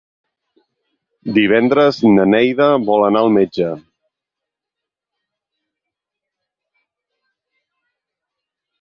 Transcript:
Divendres na Neida vol anar al metge.